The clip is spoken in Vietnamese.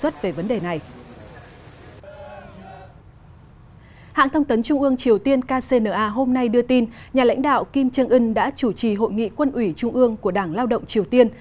theo kcna hôm nay đưa tin nhà lãnh đạo kim trương ân đã chủ trì hội nghị quân ủy trung ương của đảng lao động triều tiên